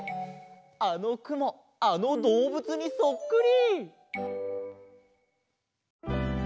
あのくもあのどうぶつにそっくり！